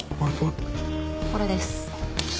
これです。